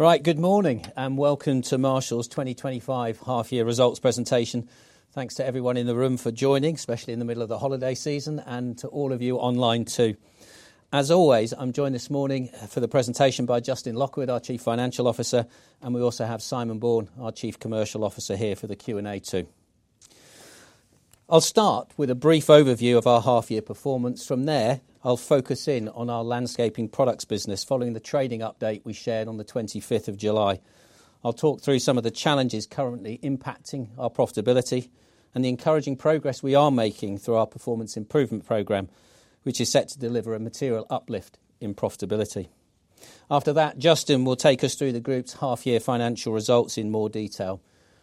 Right, good morning and welcome to Marshalls 2025 half-year results presentation. Thanks to everyone in the room for joining, especially in the middle of the holiday season, and to all of you online too. As always, I'm joined this morning for the presentation by Justin Lockwood, our Chief Financial Officer, and we also have Simon Bourne, our Chief Commercial Officer here for the Q&A too. I'll start with a brief overview of our half-year performance. From there, I'll focus in on our Landscaping Products business following the trading update we shared on the 25th of July. I'll talk through some of the challenges currently impacting our profitability and the encouraging progress we are making through our performance improvement program, which is set to deliver a material uplift in profitability. After that, Justin will take us through the group's half-year financial results in more detail,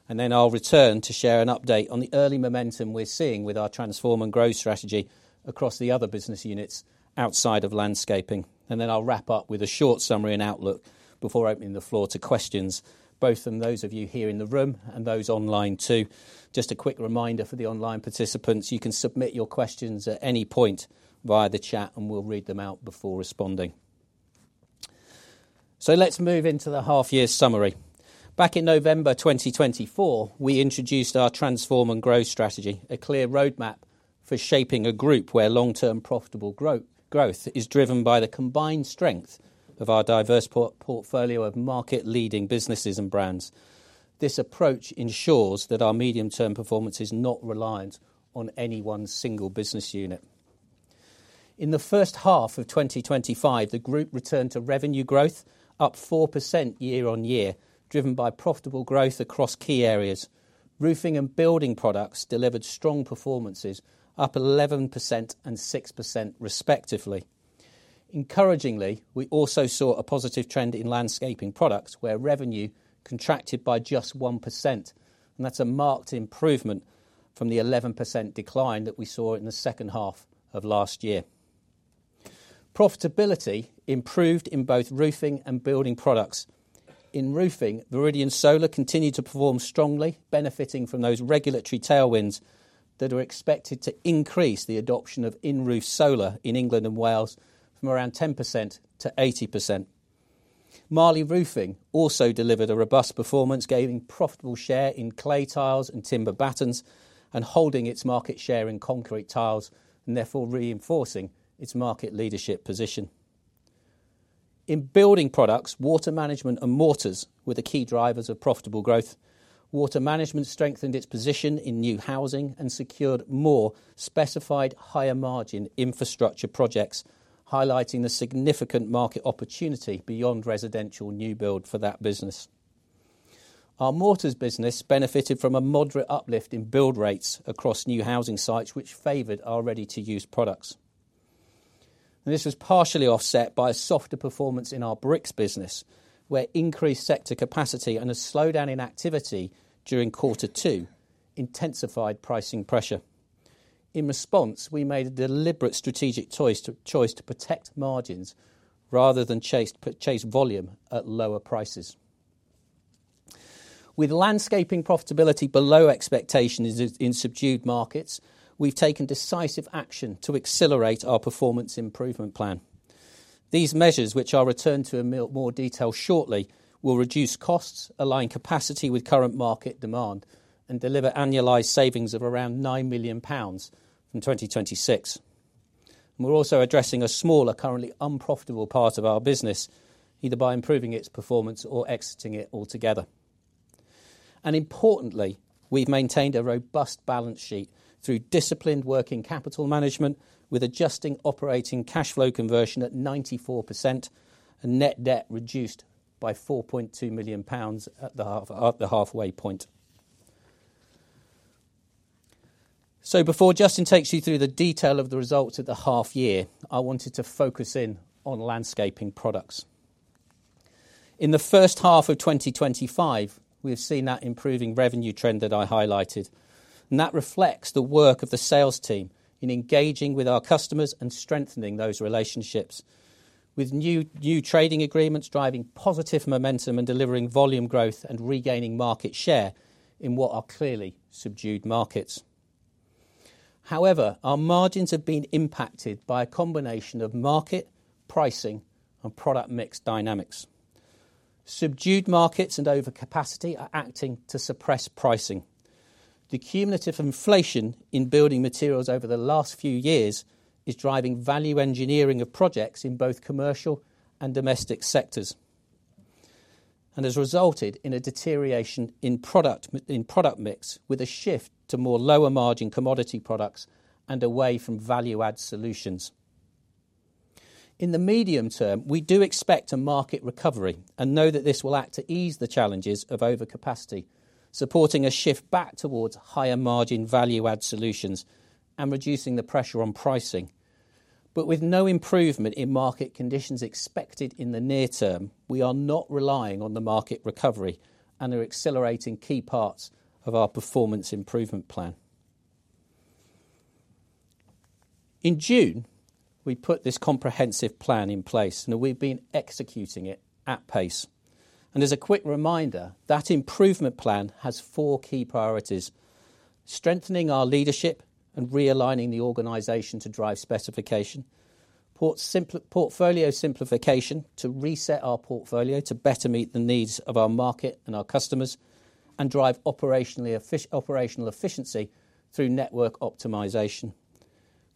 and then I'll return to share an update on the early momentum we're seeing with our transform and growth strategy across the other business units outside of Landscaping. I'll wrap up with a short summary and outlook before opening the floor to questions, both from those of you here in the room and those online too. Just a quick reminder for the online participants, you can submit your questions at any point via the chat and we'll read them out before responding. Let's move into the half-year summary. Back in November 2024, we introduced our transform and growth strategy, a clear roadmap for shaping a group where long-term profitable growth is driven by the combined strength of our diverse portfolio of market-leading businesses and brands. This approach ensures that our medium-term performance is not reliant on any one single business unit. In the first half of 2025, the group returned to revenue growth, up 4% year on year, driven by profitable growth across key areas. Roofing Products and Building Products delivered strong performances, up 11% and 6% respectively. Encouragingly, we also saw a positive trend in Landscaping Products where revenue contracted by just 1%, and that's a marked improvement from the 11% decline that we saw in the second half of last year. Profitability improved in both Roofing Products and Building Products. In Roofing, Viridian Solar continued to perform strongly, benefiting from those regulatory tailwinds that are expected to increase the adoption of in-roof solar in England and Wales from around 10%-80%. Marley Roofing also delivered a robust performance, gaining profitable share in clay tiles and timber battens and holding its market share in concrete tiles, therefore reinforcing its market leadership position. In Building Products, Water Management and mortars were the key drivers of profitable growth. Water Management strengthened its position in new housing and secured more specified higher margin infrastructure projects, highlighting the significant market opportunity beyond residential new build for that business. Our mortars business benefited from a moderate uplift in build rates across new housing sites, which favored our ready-to-use products. This was partially offset by a softer performance in our Bricks business, where increased sector overcapacity and a slowdown in activity during quarter two intensified pricing pressure. In response, we made a deliberate strategic choice to protect margins rather than chase volume at lower prices. With Landscaping profitability below expectations in subdued markets, we've taken decisive action to accelerate our performance improvement plan. These measures, which I'll return to in more detail shortly, will reduce costs, align capacity with current market demand, and deliver annualized savings of around 9 million pounds in 2026. We're also addressing a smaller, currently unprofitable part of our business, either by improving its performance or exiting it altogether. Importantly, we've maintained a robust balance sheet through disciplined working capital management, with adjusted operating cash flow conversion at 94% and net debt reduced by 4.2 million pounds at the halfway point. Before Justin Lockwood takes you through the detail of the results of the half year, I wanted to focus in on Landscaping Products. In the first half of 2025, we've seen that improving revenue trend that I highlighted, and that reflects the work of the sales team in engaging with our customers and strengthening those relationships, with new trading agreements driving positive momentum and delivering volume growth and regaining market share in what are clearly subdued markets. However, our margins have been impacted by a combination of market, pricing, and product mix dynamics. Subdued markets and sector overcapacity are acting to suppress pricing. The cumulative inflation in building materials over the last few years is driving value engineering of projects in both commercial and domestic sectors, and has resulted in a deterioration in product mix, with a shift to more lower margin commodity products and away from value-add solutions. In the medium term, we do expect a market recovery and know that this will act to ease the challenges of overcapacity, supporting a shift back towards higher margin value-add solutions and reducing the pressure on pricing. With no improvement in market conditions expected in the near term, we are not relying on the market recovery and are accelerating key parts of our performance improvement plan. In June, we put this comprehensive plan in place, and we've been executing it at pace. As a quick reminder, that improvement plan has four key priorities: strengthening our leadership and realigning the organization to drive specification, portfolio simplification to reset our portfolio to better meet the needs of our market and our customers and drive operational efficiency through network optimization,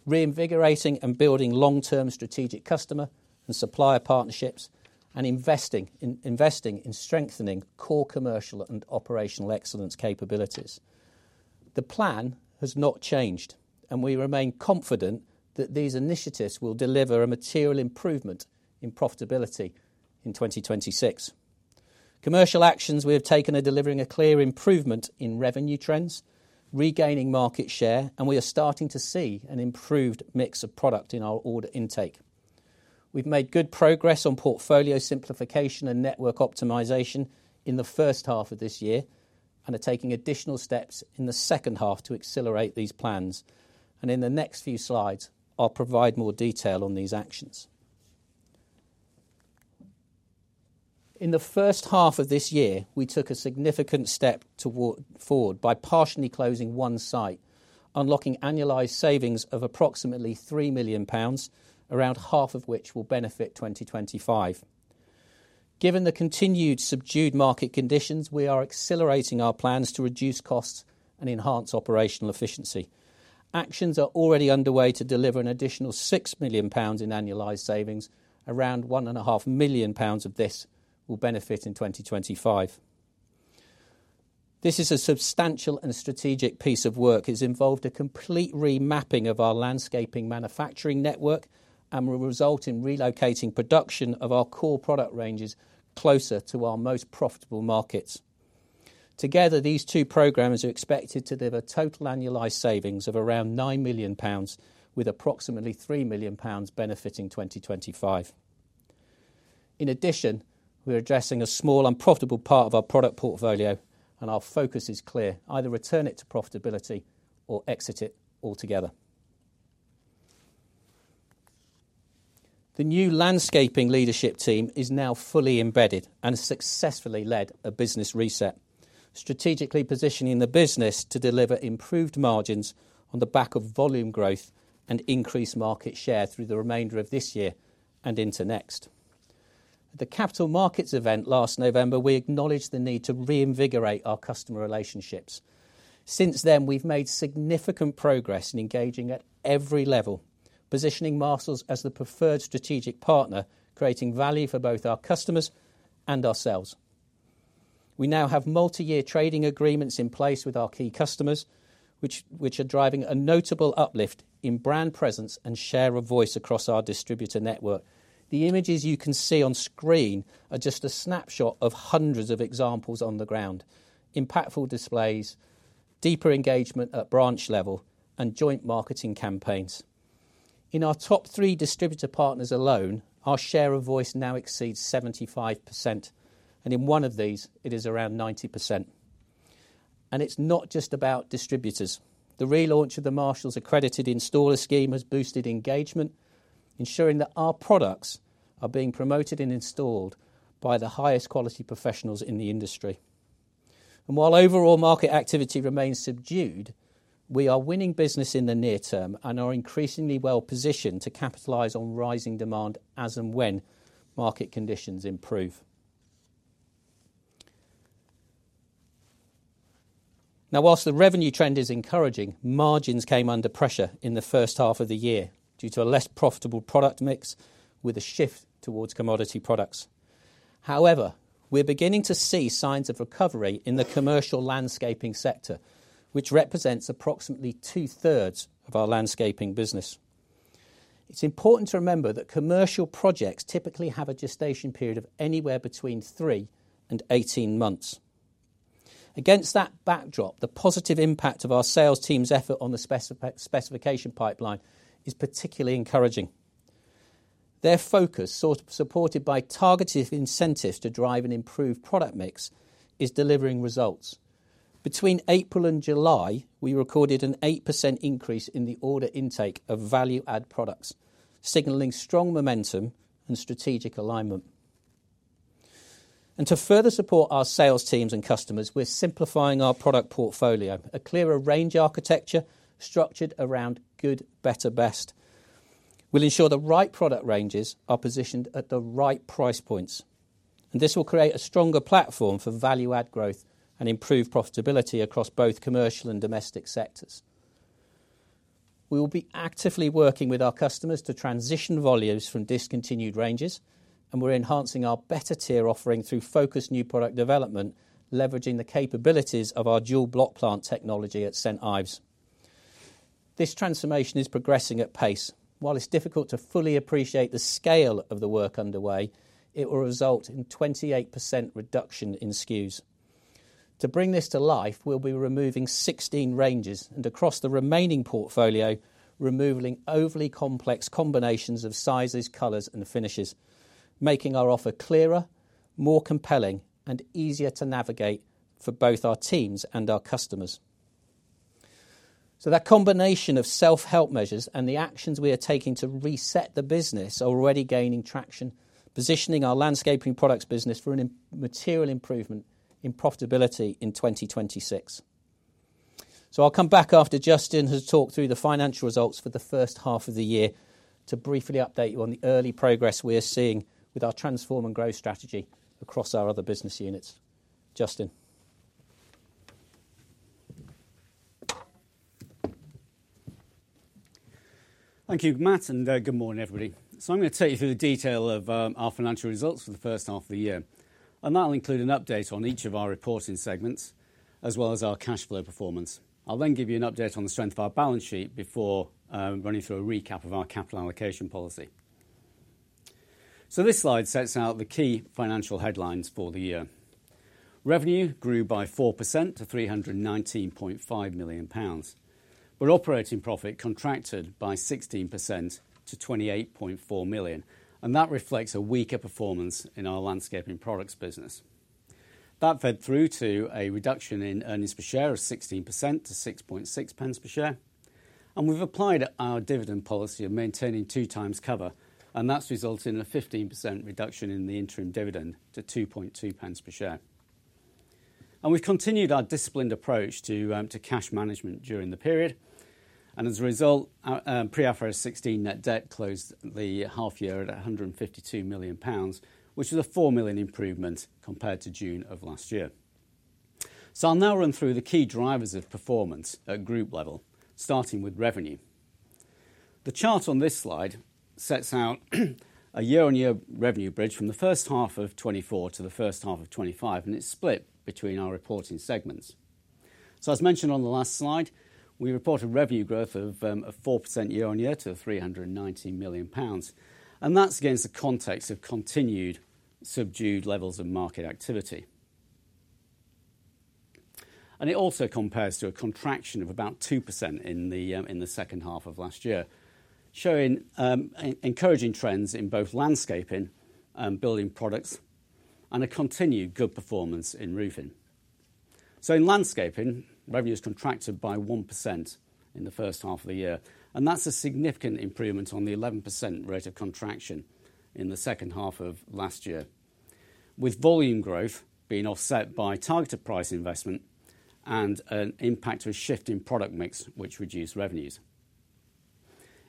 reinvigorating and building long-term strategic customer and supplier partnerships, and investing in strengthening core commercial and operational excellence capabilities. The plan has not changed, and we remain confident that these initiatives will deliver a material improvement in profitability in 2026. Commercial actions we have taken are delivering a clear improvement in revenue trends, regaining market share, and we are starting to see an improved mix of product in our order intake. We've made good progress on portfolio simplification and network optimization in the first half of this year and are taking additional steps in the second half to accelerate these plans. In the next few slides, I'll provide more detail on these actions. In the first half of this year, we took a significant step forward by partially closing one site, unlocking annualized savings of approximately 3 million pounds, around half of which will benefit 2025. Given the continued subdued market conditions, we are accelerating our plans to reduce costs and enhance operational efficiency. Actions are already underway to deliver an additional 6 million pounds in annualized savings, around 1.5 million pounds of this will benefit in 2025. This is a substantial and strategic piece of work. It has involved a complete remapping of our Landscaping Products manufacturing network and will result in relocating production of our core product ranges closer to our most profitable markets. Together, these two programs are expected to deliver total annualized savings of around 9 million pounds, with approximately 3 million pounds benefiting 2025. In addition, we're addressing a small unprofitable part of our product portfolio, and our focus is clear: either return it to profitability or exit it altogether. The new Landscaping Products leadership team is now fully embedded and has successfully led a business reset, strategically positioning the business to deliver improved margins on the back of volume growth and increased market share through the remainder of this year and into next. At the Capital Markets event last November, we acknowledged the need to reinvigorate our customer relationships. Since then, we've made significant progress in engaging at every level, positioning Marshalls plc as the preferred strategic partner, creating value for both our customers and ourselves. We now have multi-year trading agreements in place with our key customers, which are driving a notable uplift in brand presence and share of voice across our distributor network. The images you can see on screen are just a snapshot of hundreds of examples on the ground: impactful displays, deeper engagement at branch level, and joint marketing campaigns. In our top three distributor partners alone, our share of voice now exceeds 75%, and in one of these, it is around 90%. It's not just about distributors. The relaunch of the Marshalls-accredited installer schemes has boosted engagement, ensuring that our products are being promoted and installed by the highest quality professionals in the industry. While overall market activity remains subdued, we are winning business in the near term and are increasingly well positioned to capitalize on rising demand as and when market conditions improve. Now, whilst the revenue trend is encouraging, margins came under pressure in the first half of the year due to a less profitable product mix with a shift towards commodity products. However, we're beginning to see signs of recovery in the commercial landscaping sector, which represents approximately two-thirds of our Landscaping Products business. It's important to remember that commercial projects typically have a gestation period of anywhere between three and 18 months. Against that backdrop, the positive impact of our sales team's effort on the specification pipeline is particularly encouraging. Their focus, supported by targeted incentives to drive an improved product mix, is delivering results. Between April and July, we recorded an 8% increase in the order intake of value-add products, signaling strong momentum and strategic alignment. To further support our sales teams and customers, we're simplifying our product portfolio, a clearer range architecture structured around good, better, best. We'll ensure the right product ranges are positioned at the right price points, and this will create a stronger platform for value-add growth and improved profitability across both commercial and domestic sectors. We will be actively working with our customers to transition volumes from discontinued ranges, and we're enhancing our better-tier offering through focused new product development, leveraging the capabilities of our dual block plant technology at St. Ives. This transformation is progressing at pace. While it's difficult to fully appreciate the scale of the work underway, it will result in a 28% reduction in SKUs. To bring this to life, we'll be removing 16 ranges and, across the remaining portfolio, removing overly complex combinations of sizes, colors, and finishes, making our offer clearer, more compelling, and easier to navigate for both our teams and our customers. That combination of self-help measures and the actions we are taking to reset the business are already gaining traction, positioning our Landscaping Products business for a material improvement in profitability in 2026. I'll come back after Justin has talked through the financial results for the first half of the year to briefly update you on the early progress we are seeing with our transform and growth strategy across our other business units. Justin. Thank you, Matt, and good morning, everybody. I'm going to take you through the detail of our financial results for the first half of the year, and that'll include an update on each of our reporting segments, as well as our cash flow performance. I'll then give you an update on the strength of our balance sheet before running through a recap of our capital allocation policy. This slide sets out the key financial headlines for the year. Revenue grew by 4% to 319.5 million pounds, but operating profit contracted by 16% to 28.4 million, and that reflects a weaker performance in our Landscaping Products business. That fed through to a reduction in earnings per share of 16% to 6.6 per share, and we've applied our dividend policy of maintaining two times cover, and that's resulted in a 15% reduction in the interim dividend to 2.2 per share. We've continued our disciplined approach to cash management during the period, and as a result, our pre-IFRS 16 net debt closed the half year at 152 million pounds, which is a 4 million improvement compared to June of last year. I'll now run through the key drivers of performance at group level, starting with revenue. The chart on this slide sets out a year on year revenue bridge from the first half of 2024 to the first half of 2025, and it's split between our reporting segments. As mentioned on the last slide, we reported revenue growth of 4% year on year to 319 million pounds, and that's against the context of continued subdued levels of market activity. It also compares to a contraction of about 2% in the second half of last year, showing encouraging trends in both Landscaping Products and Building Products and a continued good performance in Roofing Products. In Landscaping Products, revenue has contracted by 1% in the first half of the year, and that's a significant improvement on the 11% rate of contraction in the second half of last year, with volume growth being offset by targeted price investment and an impact of a shift in product mix which reduced revenues.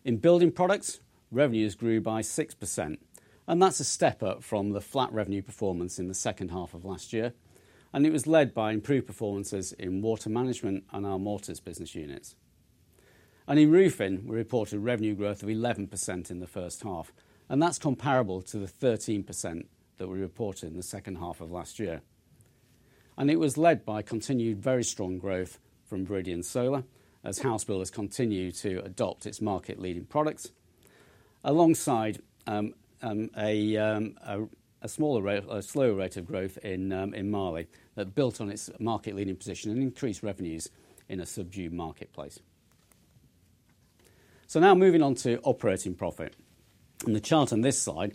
In Building Products, revenues grew by 6%, and that's a step up from the flat revenue performance in the second half of last year, and it was led by improved performances in Water Management and our mortars business units. In Roofing Products, we reported revenue growth of 11% in the first half, and that's comparable to the 13% that we reported in the second half of last year. It was led by continued very strong growth from Viridian Solar as house builders continued to adopt its market-leading products alongside a slower rate of growth in Marley Roofing that built on its market-leading position and increased revenues in a subdued marketplace. Now moving on to operating profit. The chart on this slide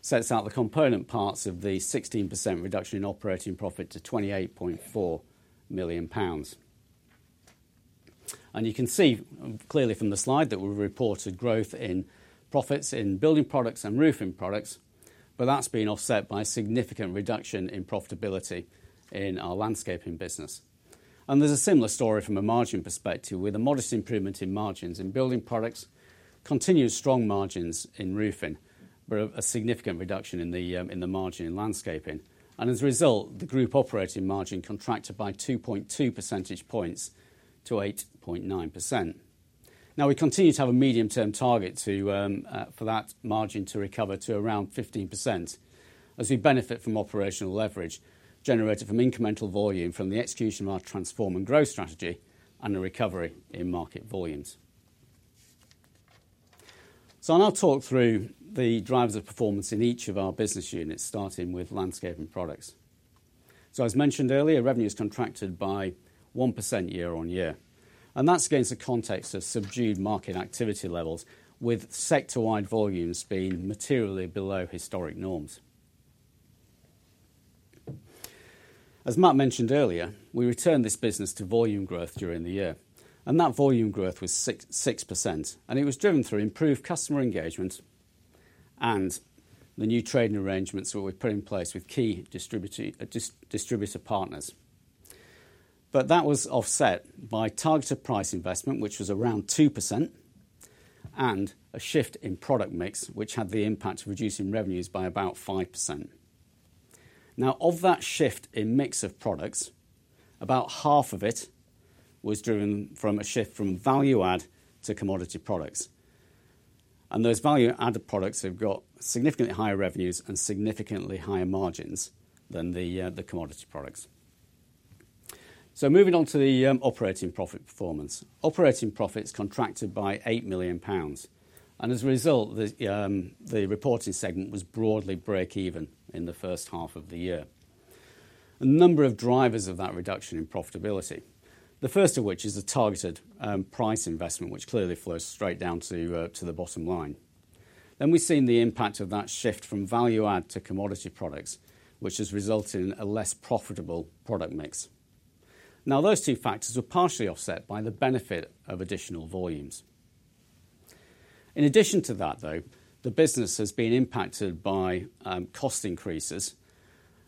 sets out the component parts of the 16% reduction in operating profit to 28.4 million pounds. You can see clearly from the slide that we reported growth in profits in Building Products and Roofing Products, but that's been offset by a significant reduction in profitability in our Landscaping Products business. There's a similar story from a margin perspective with a modest improvement in margins in Building Products, continued strong margins in Roofing Products, but a significant reduction in the margin in Landscaping Products. As a result, the group operating margin contracted by 2.2 percentage points to 8.9%. We continue to have a medium-term target for that margin to recover to around 15% as we benefit from operational leverage generated from incremental volume from the execution of our transform and growth strategy and a recovery in market volumes. I'll now talk through the drivers of performance in each of our business units, starting with Landscaping Products. As mentioned earlier, revenue has contracted by 1% year on year, and that's against the context of subdued market activity levels, with sector-wide volumes being materially below historic norms. As Matt Pullen mentioned earlier, we returned this business to volume growth during the year, and that volume growth was 6%, driven through improved customer engagement and the new trading agreements that were put in place with key distributor partners. That was offset by targeted price investment, which was around 2%, and a shift in product mix, which had the impact of reducing revenues by about 5%. Of that shift in mix of products, about half of it was driven from a shift from value-add to commodity products. Those value-added products have got significantly higher revenues and significantly higher margins than the commodity products. Moving on to the operating profit performance, operating profit has contracted by 8 million pounds, and as a result, the reporting segment was broadly break-even in the first half of the year. A number of drivers of that reduction in profitability, the first of which is the targeted price investment, which clearly flows straight down to the bottom line. Then we've seen the impact of that shift from value-add to commodity products, which has resulted in a less profitable product mix. Those two factors are partially offset by the benefit of additional volumes. In addition to that, though, the business has been impacted by cost increases,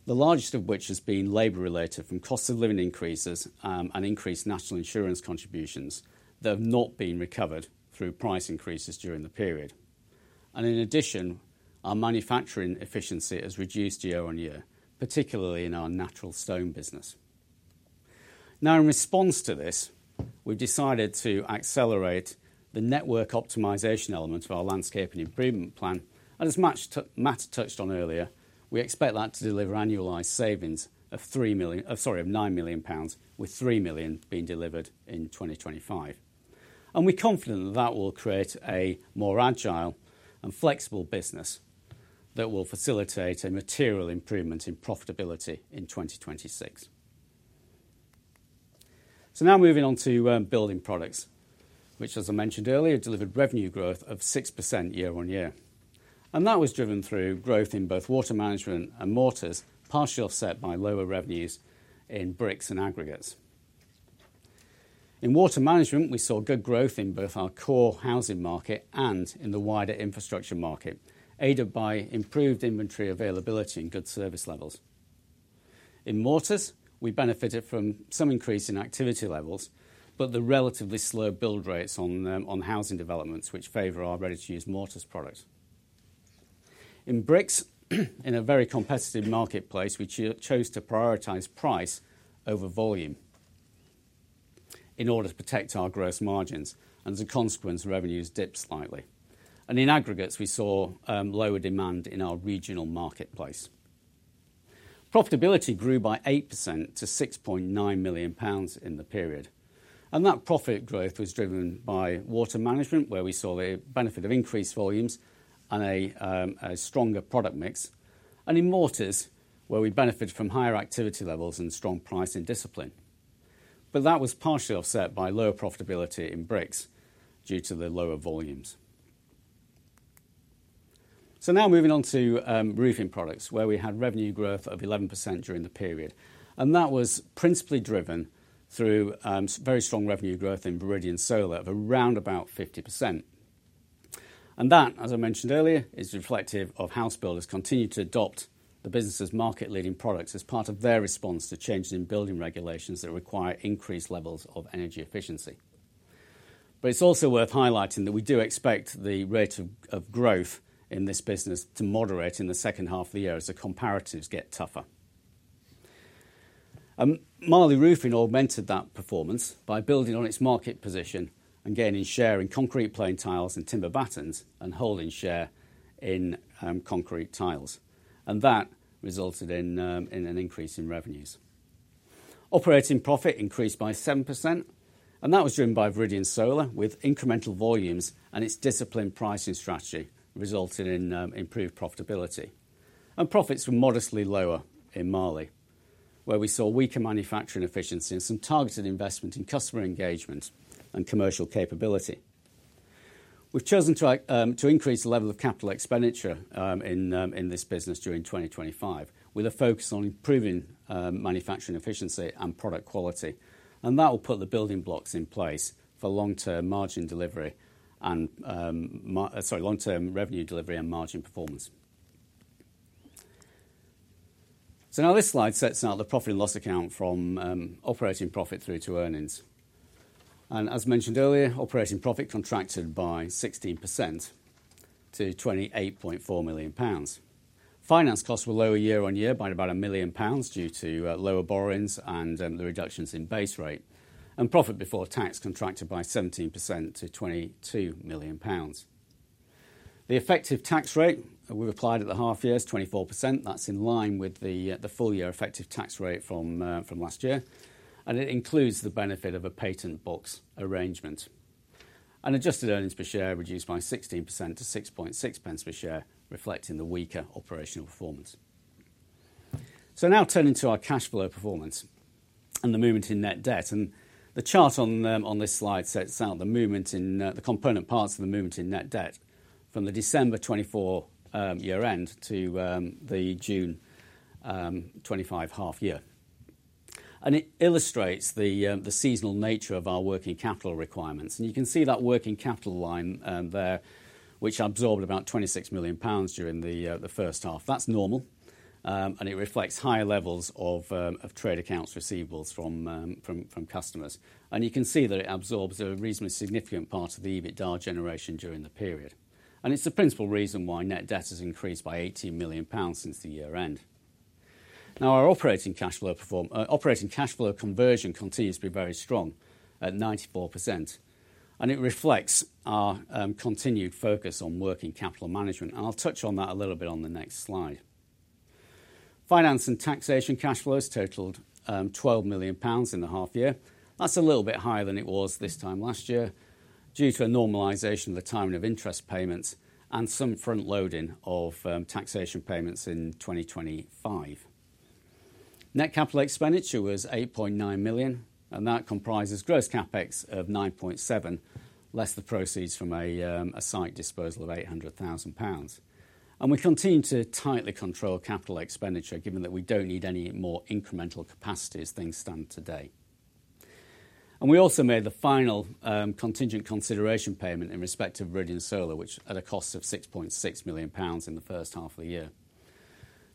the largest of which has been labor-related from cost of living increases and increased national insurance contributions that have not been recovered through price increases during the period. In addition, our manufacturing efficiency has reduced year on year, particularly in our natural stone business. In response to this, we've decided to accelerate the network optimization element of our landscaping improvement plan. As Matt Pullen touched on earlier, we expect that to deliver annualized savings of 9 million pounds, with 3 million being delivered in 2025. We're confident that that will create a more agile and flexible business that will facilitate a material improvement in profitability in 2026. Now moving on to Building Products, which, as I mentioned earlier, delivered revenue growth of 6% year on year. That was driven through growth in both Water Management and mortars, partially offset by lower revenues in Bricks and aggregates. In Water Management, we saw good growth in both our core housing market and in the wider infrastructure market, aided by improved inventory availability and good service levels. In mortars, we benefited from some increase in activity levels, but the relatively slow build rates on housing developments, which favor our ready-to-use mortars product. In Bricks, in a very competitive marketplace, we chose to prioritize price over volume in order to protect our gross margins, and as a consequence, revenues dipped slightly. In aggregates, we saw lower demand in our regional marketplace. Profitability grew by 8% to 6.9 million pounds in the period. That profit growth was driven by Water Management, where we saw the benefit of increased volumes and a stronger product mix, and in mortars, where we benefited from higher activity levels and strong pricing discipline. That was partially offset by lower profitability in Bricks due to the lower volumes. Now moving on to Roofing Products, where we had revenue growth of 11% during the period. That was principally driven through very strong revenue growth in Viridian Solar of around 50%. That, as I mentioned earlier, is reflective of house builders continuing to adopt the business's market-leading products as part of their response to changes in building regulations that require increased levels of energy efficiency. It is also worth highlighting that we do expect the rate of growth in this business to moderate in the second half of the year as the comparatives get tougher. Marley Roofing augmented that performance by building on its market position and gaining share in concrete plain tiles and timber battens and holding share in concrete tiles. That resulted in an increase in revenues. Operating profit increased by 7%, and that was driven by Viridian Solar with incremental volumes and its disciplined pricing strategy, resulting in improved profitability. Profits were modestly lower in Marley Roofing, where we saw weaker manufacturing efficiency and some targeted investment in customer engagement and commercial capability. We have chosen to increase the level of capital expenditure in this business during 2025, with a focus on improving manufacturing efficiency and product quality. That will put the building blocks in place for long-term revenue delivery and margin performance. This slide sets out the profit and loss account from operating profit through to earnings. As mentioned earlier, operating profit contracted by 16% to 28.4 million pounds. Finance costs were lower year on year by about 1 million pounds due to lower borrowings and the reductions in base rate. Profit before tax contracted by 17% to 22 million pounds. The effective tax rate we've applied at the half year is 24%. That's in line with the full year effective tax rate from last year. It includes the benefit of a patent box arrangement. Adjusted earnings per share reduced by 16% to 0.066 per share, reflecting the weaker operational performance. Turning to our cash flow performance and the movement in net debt, the chart on this slide sets out the movement in the component parts of the movement in net debt from the December 2024 year end to the June 2025 half year. It illustrates the seasonal nature of our working capital requirements. You can see that working capital line there, which absorbed about 26 million pounds during the first half. That's normal. It reflects higher levels of trade accounts receivables from customers. You can see that it absorbs a reasonably significant part of the EBITDA generation during the period. It's the principal reason why net debt has increased by 18 million pounds since the year end. Our operating cash flow conversion continues to be very strong at 94%, and it reflects our continued focus on working capital management. I'll touch on that a little bit on the next slide. Finance and taxation cash flows totaled 12 million pounds in the half year. That's a little bit higher than it was this time last year due to a normalization of the timing of interest payments and some front-loading of taxation payments in 2025. Net capital expenditure was 8.9 million, and that comprises gross CapEx of 9.7 million, less the proceeds from a site disposal of 800,000 pounds. We continue to tightly control capital expenditure, given that we don't need any more incremental capacity as things stand today. We also made the final contingent consideration payment in respect to Viridian Solar, which was at a cost of 6.6 million pounds in the first half of the year.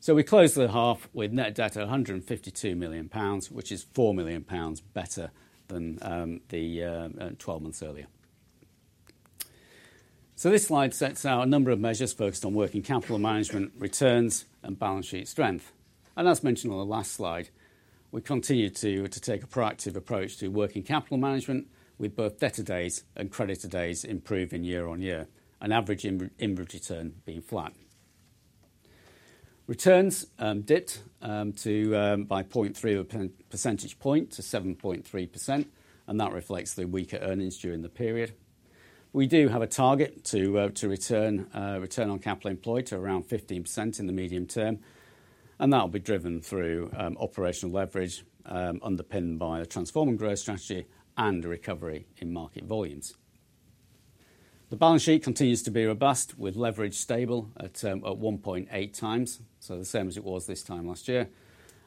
We closed the half with net debt at 152 million pounds, which is 4 million pounds better than 12 months earlier. This slide sets out a number of measures focused on working capital management, returns, and balance sheet strength. As mentioned on the last slide, we continue to take a proactive approach to working capital management with both debtor days and creditor days improving year on year, and average in-route return being flat. Returns dipped by 0.3% -7.3%, and that reflects the weaker earnings during the period. We do have a target to return on capital employed to around 15% in the medium term, and that will be driven through operational leverage underpinned by a transforming growth strategy and a recovery in market volumes. The balance sheet continues to be robust with leverage stable at 1.8 times, the same as it was this time last year.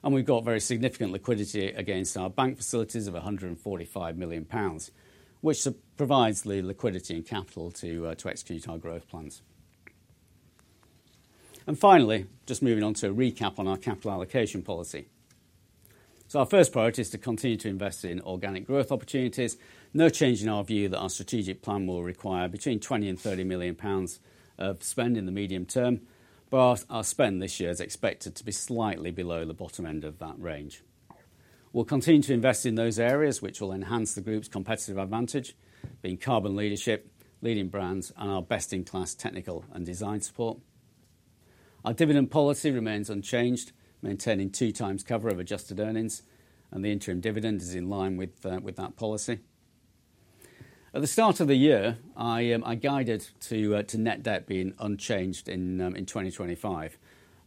We've got very significant liquidity against our bank facilities of 145 million pounds, which provides the liquidity and capital to execute our growth plans. Finally, just moving on to a recap on our capital allocation policy. Our first priority is to continue to invest in organic growth opportunities. No change in our view that our strategic plan will require between 20 million and 30 million pounds of spend in the medium term, but our spend this year is expected to be slightly below the bottom end of that range. We will continue to invest in those areas which will enhance the group's competitive advantage, being carbon leadership, leading brands, and our best-in-class technical and design support. Our dividend policy remains unchanged, maintaining two times cover of adjusted earnings, and the interim dividend is in line with that policy. At the start of the year, I guided to net debt being unchanged in 2025,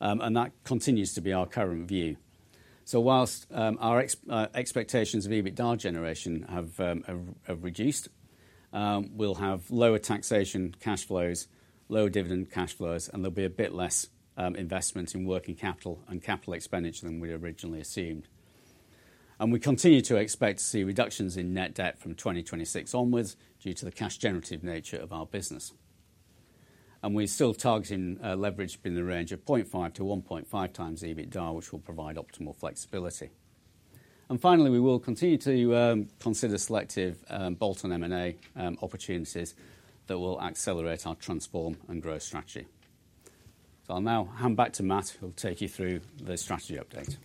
and that continues to be our current view. Whilst our expectations of EBITDA generation have reduced, we will have lower taxation cash flows, lower dividend cash flows, and there will be a bit less investment in working capital and capital expenditure than we originally assumed. We continue to expect to see reductions in net debt from 2026 onwards due to the cash-generative nature of our business. We are still targeting leverage in the range of 0.5-1.5 times EBITDA, which will provide optimal flexibility. Finally, we will continue to consider selective bolt-on M&A opportunities that will accelerate our transform and growth strategy. I will now hand back to Matt, who will take you through the strategy update.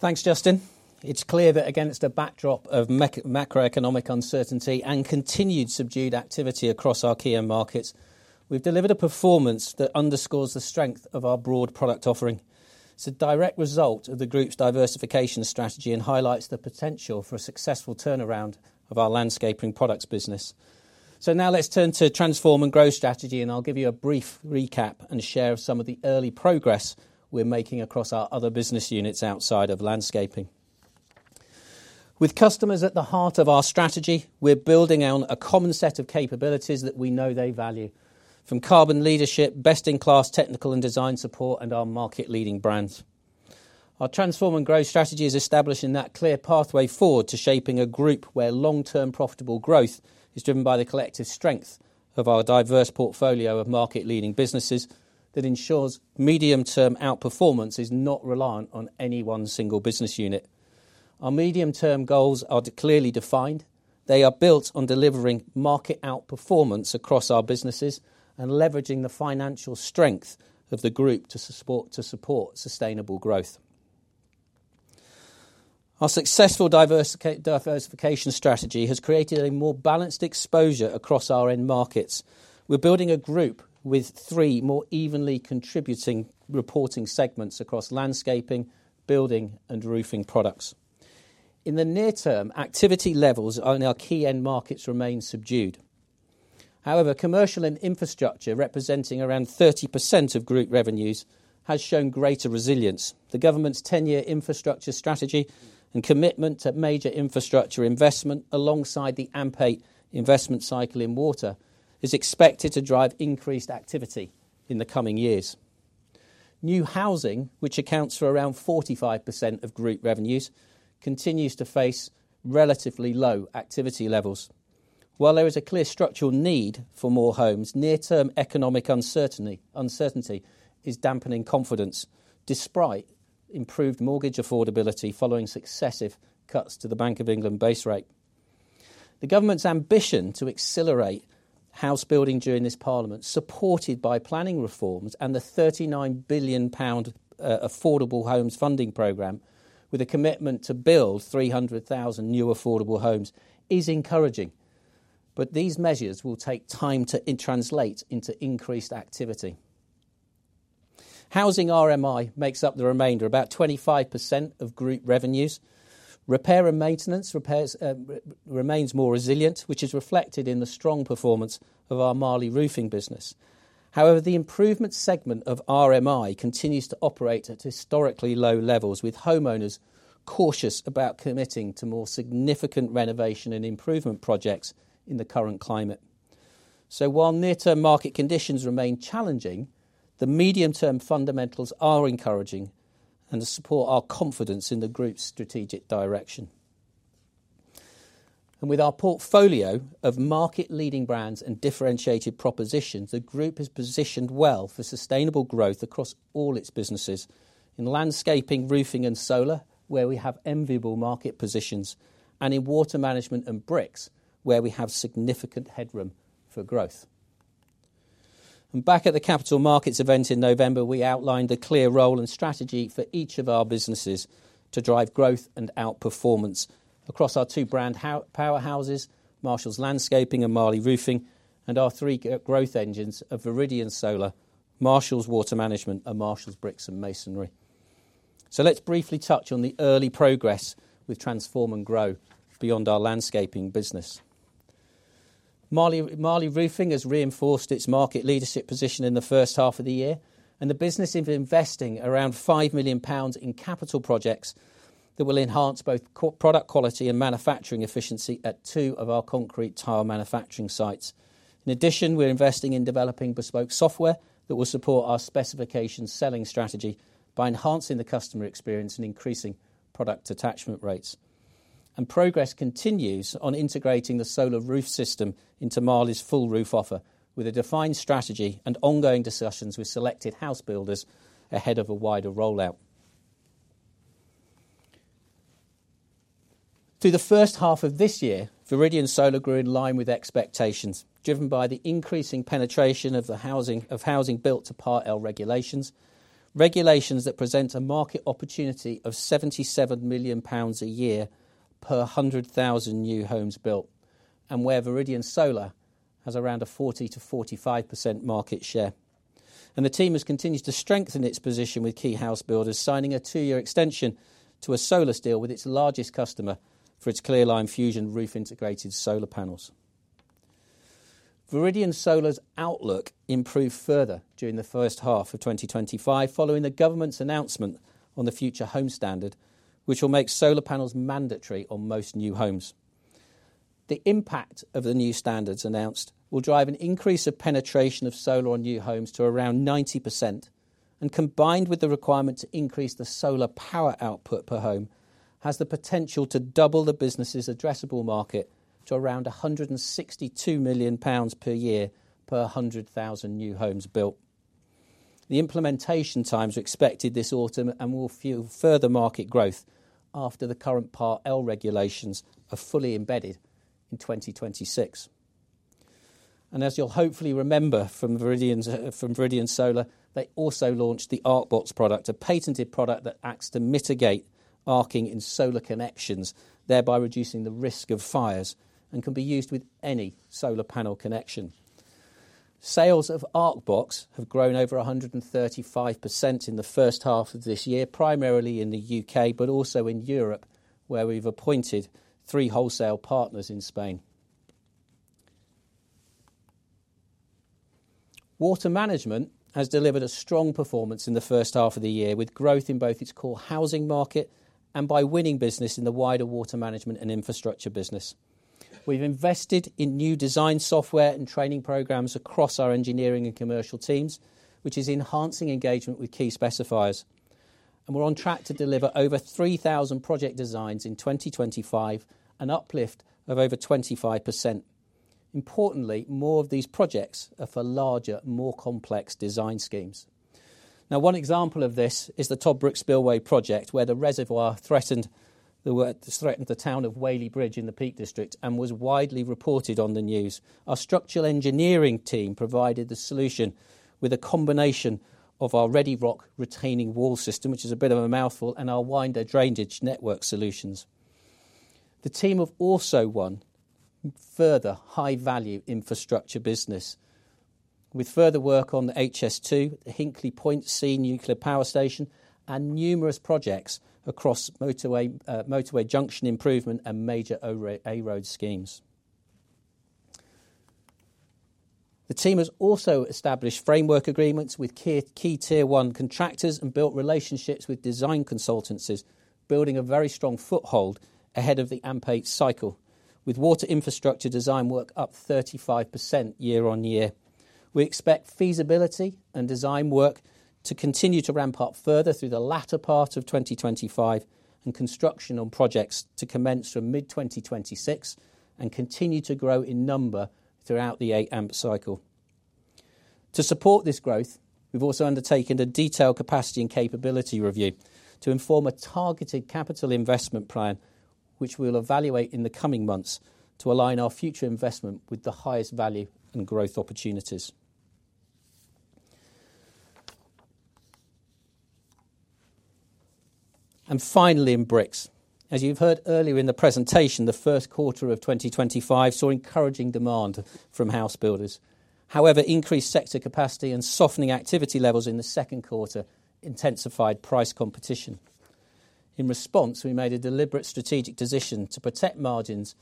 Thanks, Justin. It's clear that against a backdrop of macroeconomic uncertainty and continued subdued activity across our key markets, we've delivered a performance that underscores the strength of our broad product offering. It's a direct result of the group's diversification strategy and highlights the potential for a successful turnaround of our Landscaping Products business. Now let's turn to the transform and growth strategy, and I'll give you a brief recap and share some of the early progress we're making across our other business units outside of landscaping. With customers at the heart of our strategy, we're building on a common set of capabilities that we know they value, from carbon leadership, best-in-class technical and design support, and our market-leading brands. Our transform and growth strategy is establishing that clear pathway forward to shaping a group where long-term profitable growth is driven by the collective strength of our diverse portfolio of market-leading businesses that ensures medium-term outperformance is not reliant on any one single business unit. Our medium-term goals are clearly defined. They are built on delivering market outperformance across our businesses and leveraging the financial strength of the group to support sustainable growth. Our successful diversification strategy has created a more balanced exposure across our end markets. We're building a group with three more evenly contributing reporting segments across Landscaping, Building, and Roofing Products. In the near term, activity levels on our key end markets remain subdued. However, Commercial and Infrastructure representing around 30% of group revenues has shown greater resilience. The government's 10-year infrastructure strategy and commitment to major infrastructure investment alongside the AMP investment cycle in water is expected to drive increased activity in the coming years. New housing, which accounts for around 45% of group revenues, continues to face relatively low activity levels. While there is a clear structural need for more homes, near-term economic uncertainty is dampening confidence despite improved mortgage affordability following successive cuts to the Bank of England base rate. The government's ambition to accelerate house building during this parliament, supported by planning reforms and the 39 billion pound Affordable Homes Funding Program, with a commitment to build 300,000 new affordable homes, is encouraging. These measures will take time to translate into increased activity. Housing RMI makes up the remainder, about 25% of group revenues. Repair and maintenance remains more resilient, which is reflected in the strong performance of our Marley Roofing business. However, the improvement segment of RMI continues to operate at historically low levels, with homeowners cautious about committing to more significant renovation and improvement projects in the current climate. While near-term market conditions remain challenging, the medium-term fundamentals are encouraging and support our confidence in the group's strategic direction. With our portfolio of market-leading brands and differentiated propositions, the group has positioned well for sustainable growth across all its businesses in Landscaping Products, Roofing Products, and solar, where we have enviable market positions, and in Water Management and Bricks, where we have significant headroom for growth. Back at the Capital Markets event in November, we outlined a clear role and strategy for each of our businesses to drive growth and outperformance across our two brand powerhouses, Marshalls Landscaping and Marley Roofing, and our three growth engines of Viridian Solar, Marshalls Water Management, and Marshalls Bricks and Masonry. Let's briefly touch on the early progress with transform and grow beyond our landscaping business. Marley Roofing has reinforced its market leadership position in the first half of the year, and the business is investing around 5 million pounds in capital projects that will enhance both product quality and manufacturing efficiency at two of our concrete tile manufacturing sites. In addition, we're investing in developing bespoke software that will support our specification selling strategy by enhancing the customer experience and increasing product attachment rates. Progress continues on integrating the solar roof system into Marley's full roof offer, with a defined strategy and ongoing discussions with selected house builders ahead of a wider rollout. Through the first half of this year, Viridian Solar grew in line with expectations, driven by the increasing penetration of housing built to Part L regulations, regulations that present a market opportunity of 77 million pounds a year per 100,000 new homes built, and where Viridian Solar has around a 40% -45% market share. The team has continued to strengthen its position with key house builders signing a two-year extension to a solar deal with its largest customer for its Clearline Fusion roof integrated solar panels. Viridian Solar's outlook improved further during the first half of 2025 following the government's announcement on the Future Home Standard, which will make solar panels mandatory on most new homes. The impact of the new standards announced will drive an increase of penetration of solar on new homes to around 90%, and combined with the requirement to increase the solar power output per home, has the potential to double the business's addressable market to around 162 million pounds per year per 100,000 new homes built. The implementation times are expected this autumn and will fuel further market growth after the current Part L regulations are fully embedded in 2026. As you'll hopefully remember from Viridian Solar, they also launched the ArcBox product, a patented product that acts to mitigate arcing in solar connections, thereby reducing the risk of fires, and can be used with any solar panel connection. Sales of ArcBox have grown over 135% in the first half of this year, primarily in the UK, but also in Europe, where we've appointed three wholesale partners in Spain. Water Management has delivered a strong performance in the first half of the year, with growth in both its core housing market and by winning business in the wider water management and infrastructure business. We've invested in new design software and training programs across our engineering and commercial teams, which is enhancing engagement with key specifiers. We're on track to deliver over 3,000 project designs in 2025, an uplift of over 25%. Importantly, more of these projects are for larger, more complex design schemes. One example of this is the Toddbrook Spillway project, where the reservoir threatened the town of Whaley Bridge in the Peak District and was widely reported on the news. Our structural engineering team provided the solution with a combination of our ReadyRock retaining wall system, which is a bit of a mouthful, and our linear drainage network solutions. The team have also won further high-value infrastructure business, with further work on HS2, the Hinkley Point C nuclear power station, and numerous projects across motorway junction improvement and major A-road schemes. The team has also established framework agreements with key Tier 1 contractors and built relationships with design consultancies, building a very strong foothold ahead of the AMPEIT cycle, with water infrastructure design work up 35% year on year. We expect feasibility and design work to continue to ramp up further through the latter part of 2025, and construction on projects to commence from mid-2026 and continue to grow in number throughout the AMPEIT cycle. To support this growth, we've also undertaken a detailed capacity and capability review to inform a targeted capital investment plan, which we'll evaluate in the coming months to align our future investment with the highest value and growth opportunities. Finally, in Bricks, as you've heard earlier in the presentation, the first quarter of 2025 saw encouraging demand from house builders. However, increased sector capacity and softening activity levels in the second quarter intensified price competition. In response, we made a deliberate strategic decision to protect margins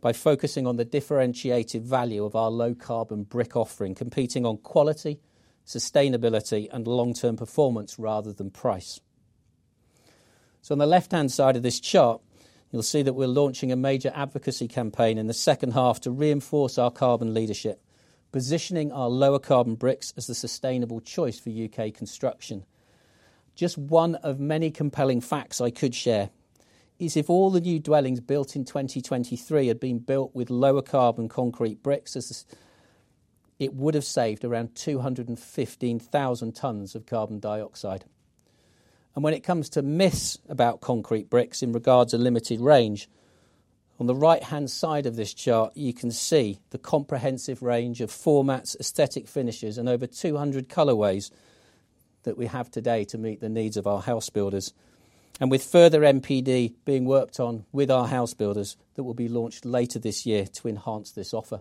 by focusing on the differentiated value of our low-carbon brick offering, competing on quality, sustainability, and long-term performance rather than price. On the left-hand side of this chart, you'll see that we're launching a major advocacy campaign in the second half to reinforce our carbon leadership, positioning our lower carbon bricks as the sustainable choice for UK construction. Just one of many compelling facts I could share is if all the new dwellings built in 2023 had been built with lower carbon concrete bricks, it would have saved around 215,000 tons of carbon dioxide. When it comes to myths about concrete bricks in regard to limited range, on the right-hand side of this chart, you can see the comprehensive range of formats, aesthetic finishes, and over 200 colorways that we have today to meet the needs of our house builders, and with further MPD being worked on with our house builders that will be launched later this year to enhance this offer.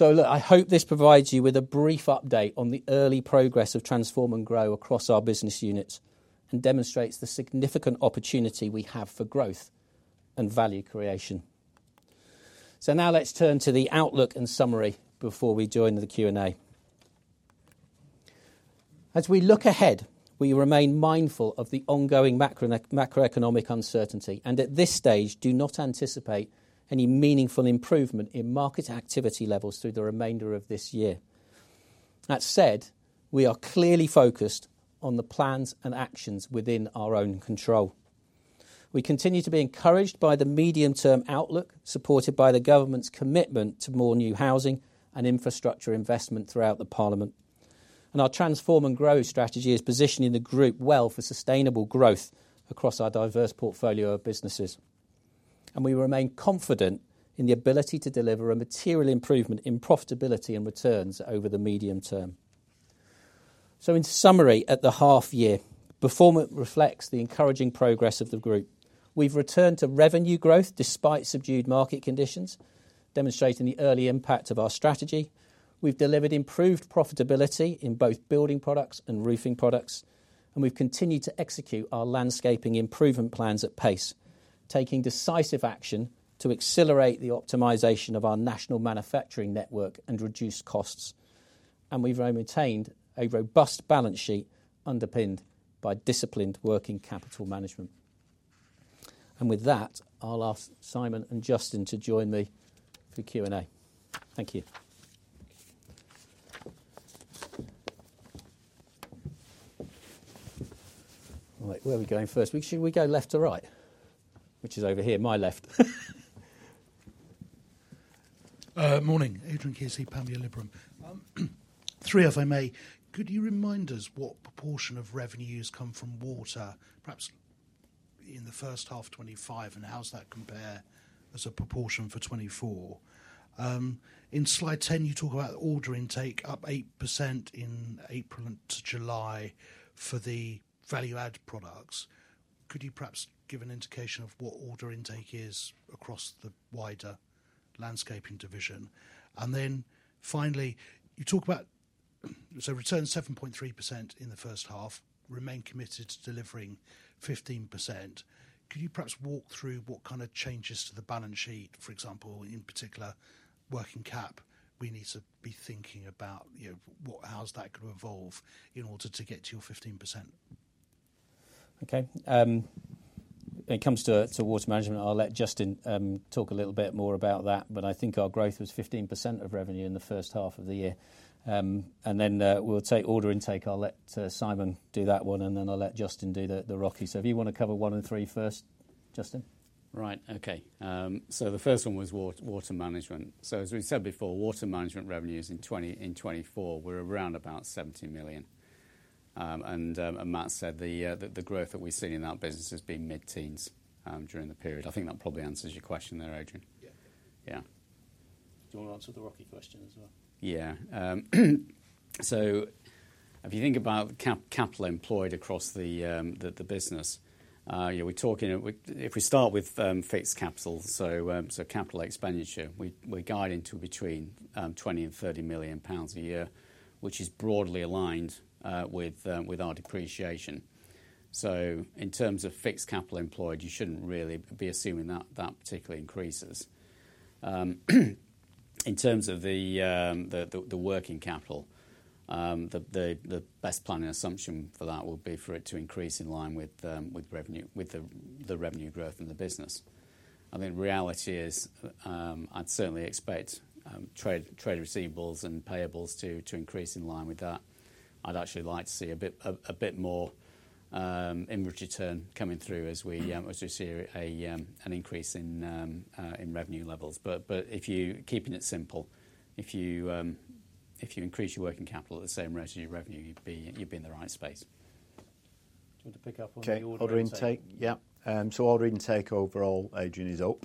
I hope this provides you with a brief update on the early progress of transform and grow across our business units and demonstrates the significant opportunity we have for growth and value creation. Now let's turn to the outlook and summary before we join the Q&A. As we look ahead, we remain mindful of the ongoing macroeconomic uncertainty, and at this stage, do not anticipate any meaningful improvement in market activity levels through the remainder of this year. That said, we are clearly focused on the plans and actions within our own control. We continue to be encouraged by the medium-term outlook supported by the government's commitment to more new housing and infrastructure investment throughout the Parliament. Our transform and growth strategy is positioning the group well for sustainable growth across our diverse portfolio of businesses. We remain confident in the ability to deliver a material improvement in profitability and returns over the medium term. In summary, at the half-year, performance reflects the encouraging progress of the group. We've returned to revenue growth despite subdued market conditions, demonstrating the early impact of our strategy. We've delivered improved profitability in both building products and roofing products, and we've continued to execute our landscaping improvement plans at pace, taking decisive action to accelerate the optimization of our national manufacturing network and reduce costs. We've maintained a robust balance sheet underpinned by disciplined working capital management. With that, I'll ask Simon and Justin to join me for Q&A. Thank you. All right, where are we going first? Should we go left or right? Which is over here, my left. Morning, Adrian Kearsey Panmure Liberum. Three if I may, could you remind us what proportion of revenue has come from Water Management, perhaps in the first half of 2025, and how does that compare as a proportion for 2024? In slide 10, you talk about order intake up 8% in April to July for the value-add products. Could you perhaps give an indication of what order intake is across the wider Landscaping Products division? Finally, you talk about returns 7.3% in the first half, remain committed to delivering 15%. Could you perhaps walk through what kind of changes to the balance sheet, for example, in particular working cap, we need to be thinking about, you know, how is that going to evolve in order to get to your 15%? Okay. When it comes to Water Management, I'll let Justin talk a little bit more about that. I think our growth was 15% of revenue in the first half of the year. We'll take order intake. I'll let Simon do that one, and then I'll let Justin do the Roofing. If you want to cover one and three first, Justin? Right, okay. The first one was Water Management. As we said before, Water Management revenues in 2024 were around 70 million. Matt said the growth that we've seen in that business has been mid-teens during the period. I think that probably answers your question there, Adrian. Yeah. Yeah. We'll answer the Rocky question as well. If you think about capital employed across the business, we're talking, if we start with fixed capital, so capital expenditure, we're guiding to between 20 million and 30 million pounds a year, which is broadly aligned with our depreciation. In terms of fixed capital employed, you shouldn't really be assuming that that particularly increases. In terms of the working capital, the best planning assumption for that would be for it to increase in line with revenue, with the revenue growth in the business. I think the reality is I'd certainly expect trade receivables and payables to increase in line with that. I'd actually like to see a bit more inward return coming through as we see an increase in revenue levels. If you're keeping it simple, if you increase your working capital at the same rate as your revenue, you'd be in the right space. Do you want to pick up on the order intake? Yeah. Order intake overall, Adrian, is up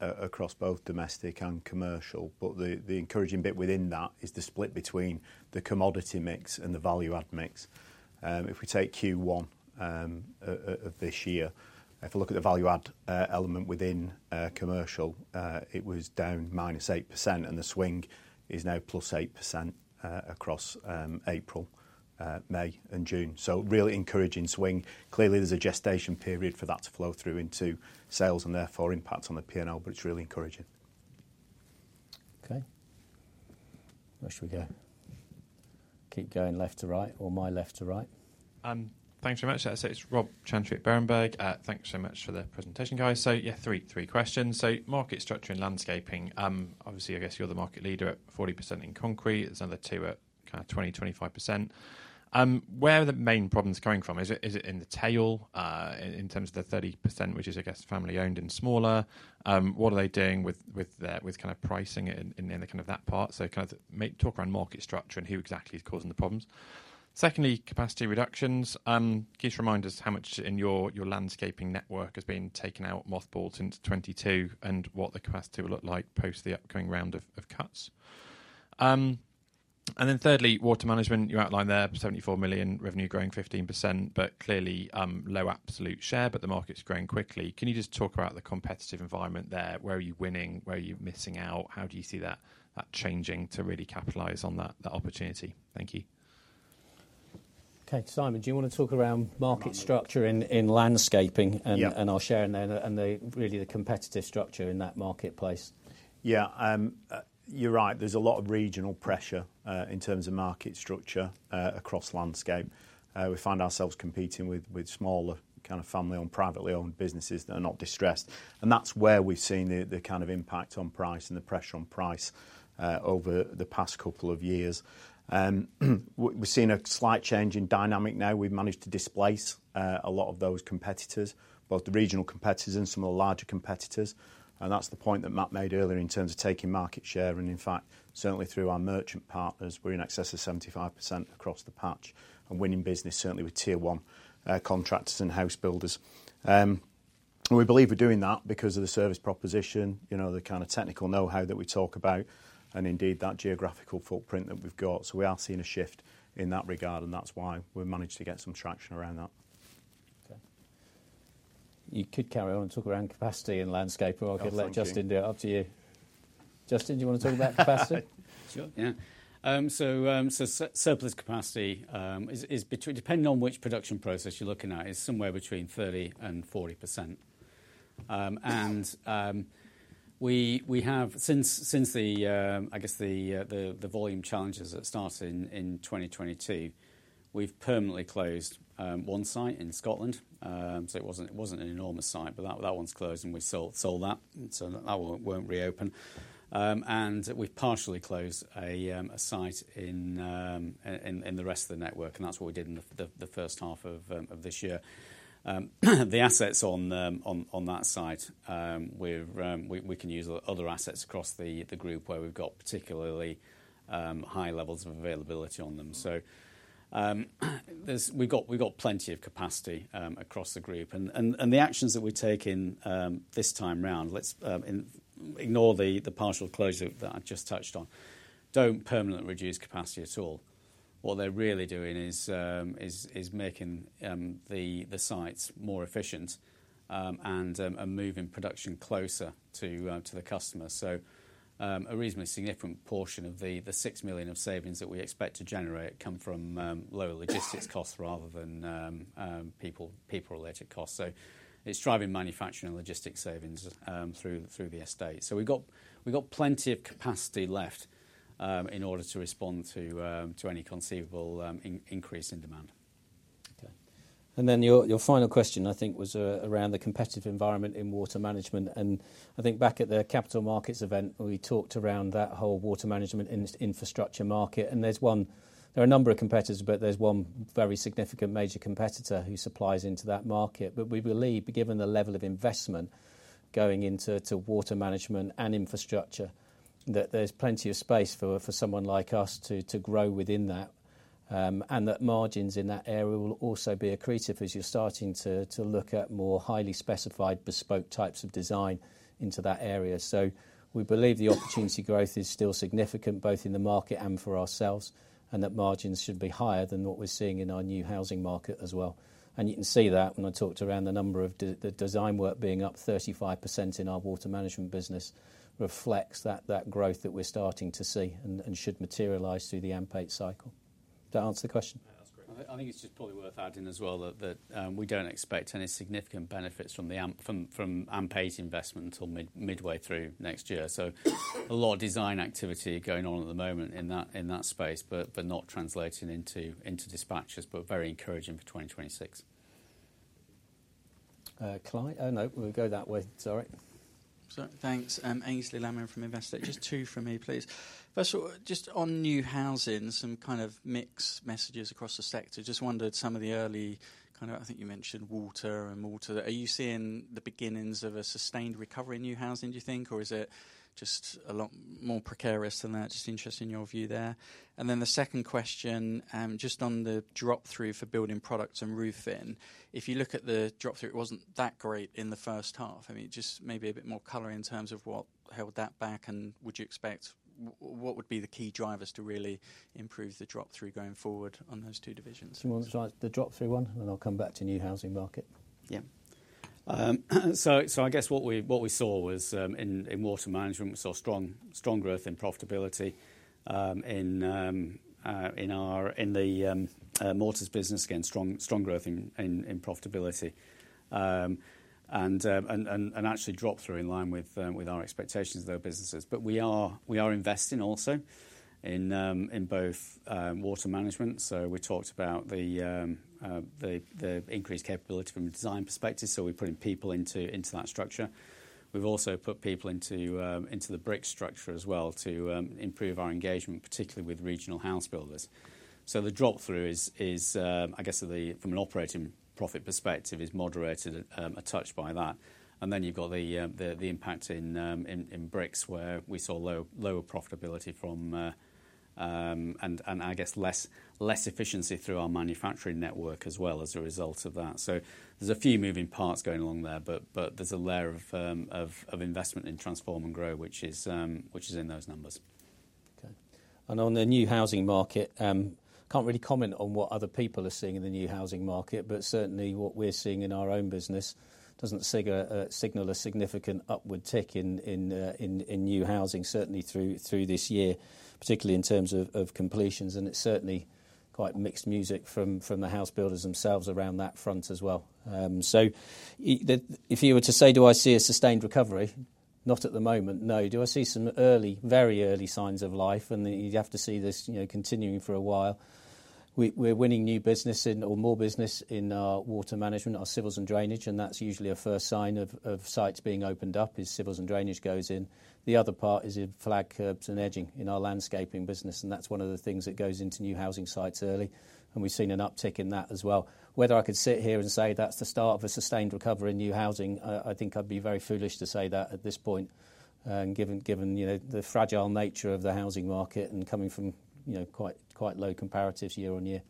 across both domestic and commercial, but the encouraging bit within that is the split between the commodity mix and the value-add mix. If we take Q1 of this year, if I look at the value-add element within commercial, it was down -8%, and the swing is now +8% across April, May, and June. Really encouraging swing. Clearly, there's a gestation period for that to flow through into sales and therefore impact on the P&L, but it's really encouraging. Okay, where should we go? Keep going left to right or my left to right. Thanks very much. That's it. It's Rob Chantry at Berenberg. Thanks so much for the presentation, guys. Three questions. Market structure and Landscaping Products, obviously, I guess you're the market leader at 40% in concrete. There's another two at kind of 20%-25%. Where are the main problems coming from? Is it in the tail in terms of the 30%, which is, I guess, family-owned and smaller? What are they doing with pricing in that part? Talk around market structure and who exactly is causing the problems. Secondly, capacity reductions. Can you remind us how much in your Landscaping Products network has been taken out, mothballed since 2022, and what the capacity will look like post the upcoming round of cuts? Thirdly, Water Management, you outline there, 74 million revenue growing 15%, but clearly low absolute share, but the market's growing quickly. Can you just talk about the competitive environment there? Where are you winning? Where are you missing out? How do you see that changing to really capitalize on that opportunity? Thank you. Okay, Simon, do you want to talk around market structure in Landscaping Products Yeah and our share and really the competitive structure in that marketplace? Yeah, you're right. There's a lot of regional pressure in terms of market structure across landscape. We find ourselves competing with smaller kind of family-owned, privately owned businesses that are not distressed. That's where we've seen the kind of impact on price and the pressure on price over the past couple of years. We've seen a slight change in dynamic now. We've managed to displace a lot of those competitors, both the regional competitors and some of the larger competitors. That's the point that Matt made earlier in terms of taking market share. In fact, certainly through our merchant partners, we're in excess of 75% across the patch and winning business, certainly with Tier 1 contractors and house builders. We believe we're doing that because of the service proposition, the kind of technical know-how that we talk about, and indeed that geographical footprint that we've got. We are seeing a shift in that regard, and that's why we've managed to get some traction around that. Okay. You could carry on and talk around capacity and landscape. We're all good to let Justin do it. Up to you. Justin, do you want to talk about capacity? Sure, yeah. Surplus capacity is between, depending on which production process you're looking at, is somewhere between 30% and 40%. We have, since the volume challenges that started in 2022, permanently closed one site in Scotland. It wasn't an enormous site, but that one's closed and we sold that. That one won't reopen. We've partially closed a site in the rest of the network, and that's what we did in the first half of this year. The assets on that site, we can use other assets across the group where we've got particularly high levels of availability on them. We've got plenty of capacity across the group. The actions that we're taking this time around, let's ignore the partial closure that I've just touched on, don't permanently reduce capacity at all. What they're really doing is making the sites more efficient and moving production closer to the customer. A reasonably significant portion of the 6 million of savings that we expect to generate come from lower logistics costs rather than people-related costs. It's driving manufacturing and logistics savings through the estate. We've got plenty of capacity left in order to respond to any conceivable increase in demand. Okay. Your final question, I think, was around the competitive environment in Water Management. I think back at the Capital Markets event, we talked around that whole Water Management infrastructure market. There are a number of competitors, but there's one very significant major competitor who supplies into that market. We believe, given the level of investment going into Water Management and infrastructure, that there's plenty of space for someone like us to grow within that. Margins in that area will also be accretive as you're starting to look at more highly specified bespoke types of design into that area. We believe the opportunity growth is still significant, both in the market and for ourselves, and that margins should be higher than what we're seeing in our new housing market as well. You can see that when I talked around the number of the design work being up 35% in our Water Management business, it reflects that growth that we're starting to see and should materialize through the AMPEIT cycle. Does that answer the question? I think it's just probably worth adding as well that we don't expect any significant benefits from AMPEIT's investment until midway through next year. A lot of design activity going on at the moment in that space, but not translating into dispatches, but very encouraging for 2026. Oh no, we'll go that way, sorry. Thanks. Aynsley Lammin from InvestSec. Just two from me, please. First of all, just on new housing, some kind of mixed messages across the sector. Just wondered some of the early kind of, I think you mentioned Water Management and mortar. Are you seeing the beginnings of a sustained recovery in new housing, do you think, or is it just a lot more precarious than that? Just interested in your view there. The second question, just on the drop-through for Building Products and Roofing Products. If you look at the drop-through, it wasn't that great in the first half. I mean, just maybe a bit more color in terms of what held that back and would you expect what would be the key drivers to really improve the drop-through going forward on those two divisions? Do you want to start the drop-through one, and then I'll come back to the new housing market? Yeah. I guess what we saw was in Water Management, we saw strong growth in profitability. In our Mortars business, again, strong growth in profitability. Actually, drop-through in line with our expectations of those businesses. We are investing also in both Water Management. We talked about the increased capability from a design perspective. We're putting people into that structure. We've also put people into the Bricks structure as well to improve our engagement, particularly with regional house builders. The drop-through is, I guess, from an operating profit perspective, moderated a touch by that. You've got the impact in Bricks where we saw lower profitability from, and I guess, less efficiency through our manufacturing network as well as a result of that. There are a few moving parts going along there, but there's a layer of investment in transform and grow, which is in those numbers. Okay. On the new housing market, I can't really comment on what other people are seeing in the new housing market, but certainly what we're seeing in our own business doesn't signal a significant upward tick in new housing, certainly through this year, particularly in terms of completions. It's quite mixed music from the house builders themselves around that front as well. If you were to say, do I see a sustained recovery? Not at the moment, no. Do I see some early, very early signs of life? You'd have to see this continuing for a while. We're winning new business or more business in our Water Management, our civils and drainage, and that's usually a first sign of sites being opened up as civils and drainage goes in. The other part is flag curbs and edging in our Landscaping Products business, and that's one of the things that goes into new housing sites early. We've seen an uptick in that as well. Whether I could sit here and say that's the start of a sustained recovery in new housing, I think I'd be very foolish to say that at this point, given the fragile nature of the housing market and coming from quite low comparatives year on year.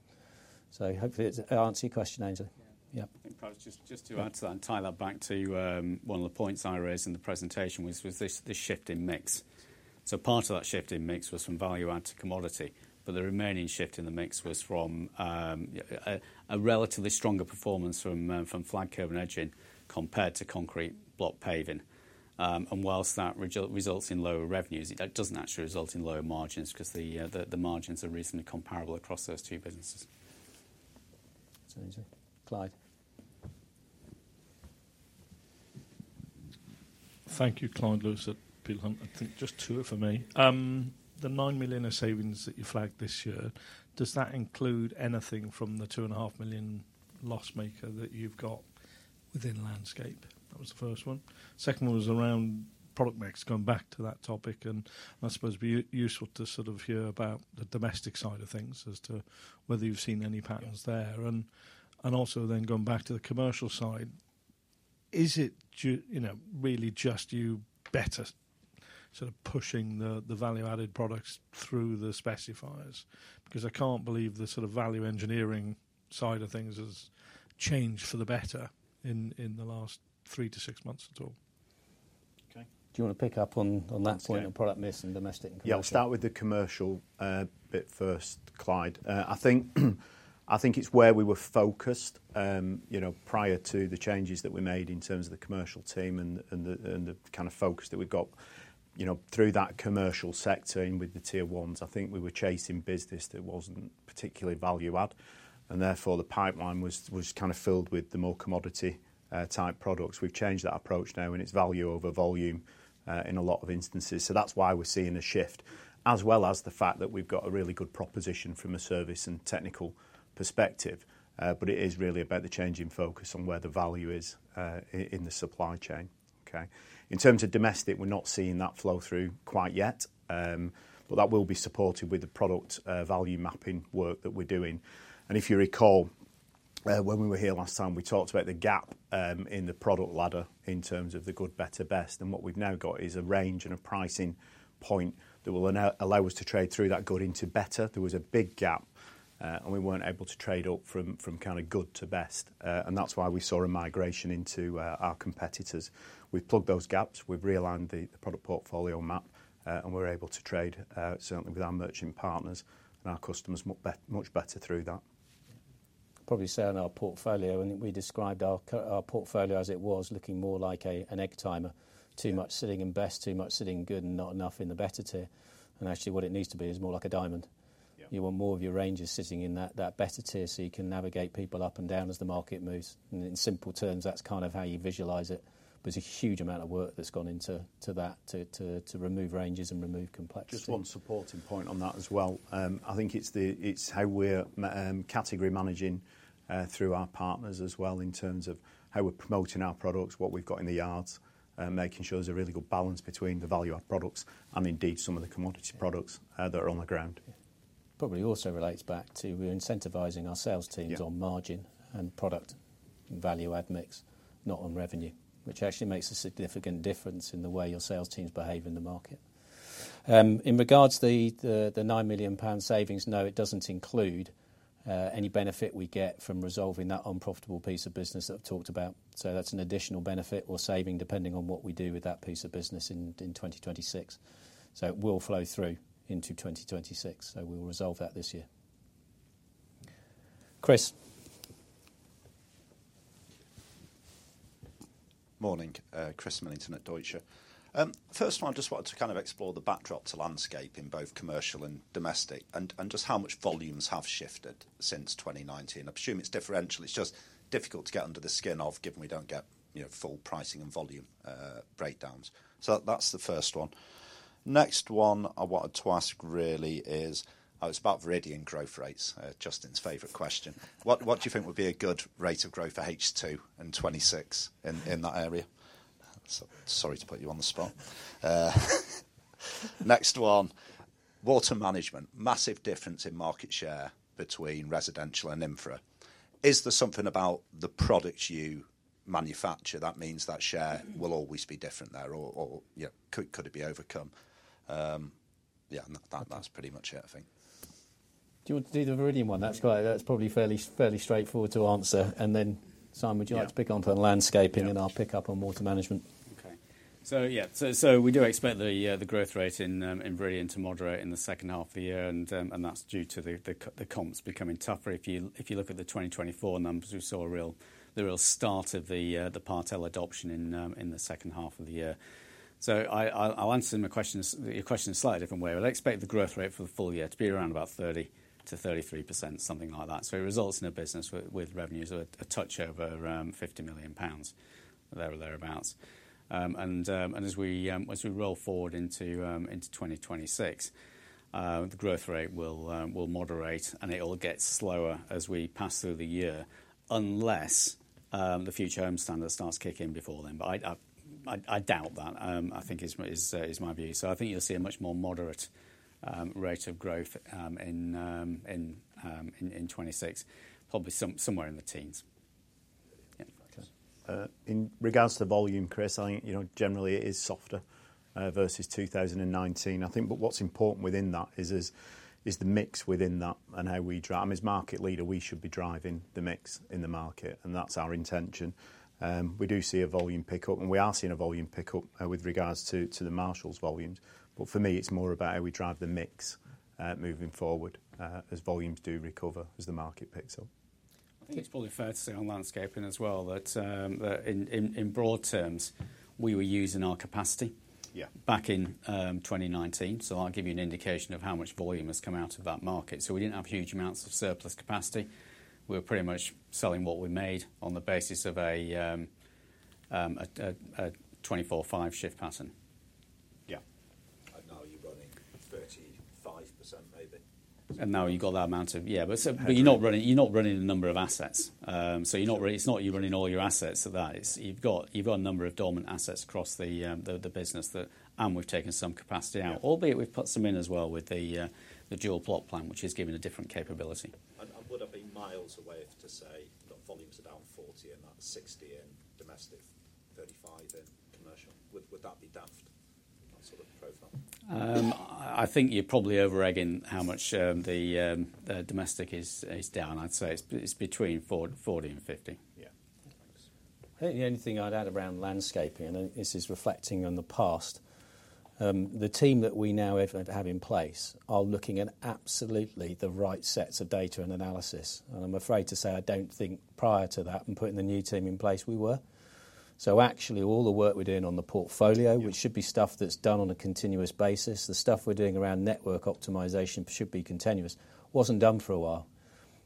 Hopefully it answers your question, Ainsley. Yeah, I think just to add to that and tie that back to one of the points I raised in the presentation was this shift in mix. Part of that shift in mix was from value-add to commodity, but the remaining shift in the mix was from a relatively stronger performance from flag, curb, and edging compared to concrete block paving. Whilst that results in lower revenues, it doesn't actually result in lower margins because the margins are reasonably comparable across those two businesses. Thank you, Clyde. Thank you, Clyde Lewis at Peel Hunt. I think just two of them for me. The 9 million savings that you flagged this year, does that include anything from the 2.5 million loss maker that you've got within the Landscaping Products? That was the first one. The second one was around product mix, going back to that topic. I suppose it'd be useful to sort of hear about the domestic side of things as to whether you've seen any patterns there. Also, going back to the commercial side, is it really just you better sort of pushing the value-added products through the specifiers? I can't believe the sort of value engineering side of things has changed for the better in the last three to six months at all. Okay. Do you want to pick up on that point of product mix and domestic? Yeah, start with the commercial bit first, Clyde. I think it's where we were focused prior to the changes that we made in terms of the commercial team and the kind of focus that we got through that commercial sector and with the Tier 1s. I think we were chasing business that wasn't particularly value-add, and therefore the pipeline was kind of filled with the more commodity type products. We've changed that approach now, and it's value over volume in a lot of instances. That's why we're seeing a shift, as well as the fact that we've got a really good proposition from a service and technical perspective. It is really about the changing focus on where the value is in the supply chain. Okay. In terms of domestic, we're not seeing that flow through quite yet, but that will be supported with the product value mapping work that we're doing. If you recall, when we were here last time, we talked about the gap in the product ladder in terms of the good, better, best. What we've now got is a range and a pricing point that will allow us to trade through that good into better. There was a big gap, and we weren't able to trade up from kind of good to best. That's why we saw a migration into our competitors. We've plugged those gaps, we've realigned the product portfolio map, and we're able to trade certainly with our merchant partners and our customers much better through that. Probably say on our portfolio, I think we described our portfolio as it was looking more like an egg timer, too much sitting in best, too much sitting in good, and not enough in the better tier. What it needs to be is more like a diamond. You want more of your ranges sitting in that better tier so you can navigate people up and down as the market moves. In simple terms, that's kind of how you visualize it. There's a huge amount of work that's gone into that to remove ranges and remove complexity. Just one supporting point on that as well. I think it's how we're category managing through our partners as well, in terms of how we're promoting our products, what we've got in the yards, making sure there's a really good balance between the value-add products and indeed some of the commodity products that are on the ground. Probably also relates back to we're incentivizing our sales teams on margin and product value-add mix, not on revenue, which actually makes a significant difference in the way your sales teams behave in the market. In regards to the 9 million pound savings, no, it doesn't include any benefit we get from resolving that unprofitable piece of business that I've talked about. That's an additional benefit or saving depending on what we do with that piece of business in 2026. It will flow through into 2026. We'll resolve that this year. Chris. Morning, Chris Millington at Deutsche. First of all, I just wanted to kind of explore the backdrop to landscape in both commercial and domestic and just how much volumes have shifted since 2019. I presume it's differential. It's just difficult to get under the skin of given we don't get full pricing and volume breakdowns. That's the first one. Next one I wanted to ask really is, oh, it's about Viridian growth rates, Justin's favorite question. What do you think would be a good rate of growth for H2 in 2026 in that area? Sorry to put you on the spot. Next one, Water Management, massive difference in market share between residential and infra. Is there something about the products you manufacture that means that share will always be different there or could it be overcome? Yeah, that's pretty much it, I think. Do you want to do the Viridian Solar one? That's probably fairly straightforward to answer. Simon, would you like to pick one for the Landscaping Products and then I'll pick up on Water Management? Okay. We do expect the growth rate in Viridian Solar to moderate in the second half of the year, and that's due to the comps becoming tougher. If you look at the 2024 numbers, we saw the real start of the partial adoption in the second half of the year. I'll answer your question in a slightly different way, but I expect the growth rate for the full year to be around 30%-33%, something like that. It results in a business with revenues of a touch over 50 million pounds, thereabouts. As we roll forward into 2026, the growth rate will moderate and it'll get slower as we pass through the year unless the Future Home Standard starts kicking in before then. I doubt that. I think it's my view. I think you'll see a much more moderate rate of growth in 2026, probably somewhere in the teens. In regards to volume, Chris, I think generally it is softer versus 2019. What's important within that is the mix within that and how we drive. I mean, as market leader, we should be driving the mix in the market and that's our intention. We do see a volume pickup and we are seeing a volume pickup with regards to the Marshalls volumes. For me, it's more about how we drive the mix moving forward as volumes do recover as the market picks up. It's probably fair to say on Landscaping Products as well that in broad terms, we were using our capacity back in 2019. I'll give you an indication of how much volume has come out of that market. We didn't have huge amounts of surplus capacity. We were pretty much selling what we made on the basis of a 24/5 shift pattern. You're running 35% maybe. You've got that amount of, yeah, but you're not running a number of assets. You're not running, it's not you're running all your assets of that. You've got a number of dormant assets across the business, and we've taken some capacity out, albeit we've put some in as well with the dual plot plan, which has given a different capability. Would it be miles away to say that volumes are down 40% and that 60% in domestic, 35% in commercial? Would that be daft? I think you're probably over-egging how much the domestic is down. I'd say it's between 40% and 50%. Yeah. I think the only thing I'd add around Landscaping Products, and this is reflecting on the past, the team that we now have in place are looking at absolutely the right sets of data and analysis. I'm afraid to say I don't think prior to that and putting the new team in place, we were. Actually, all the work we're doing on the portfolio, which should be stuff that's done on a continuous basis, the stuff we're doing around network optimization should be continuous, wasn't done for a while.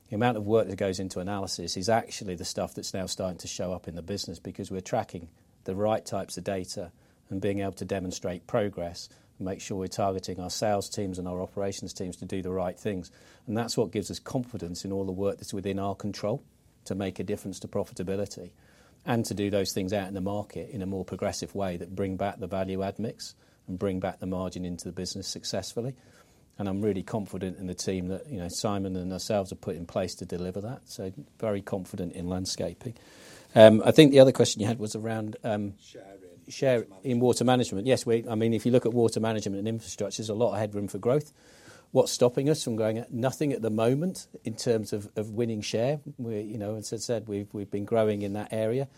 The amount of work that goes into analysis is actually the stuff that's now starting to show up in the business because we're tracking the right types of data and being able to demonstrate progress and make sure we're targeting our sales teams and our operations teams to do the right things. That's what gives us confidence in all the work that's within our control to make a difference to profitability and to do those things out in the market in a more progressive way that bring back the value-add mix and bring back the margin into the business successfully. I'm really confident in the team that, you know, Simon Bourne and ourselves have put in place to deliver that. Very confident in Landscaping Products. I think the other question you had was around share in Water Management. Yes, if you look at Water Management and infrastructure, there's a lot of headroom for growth. What's stopping us from going at nothing at the moment in terms of winning share? As I said, we've been growing in that area.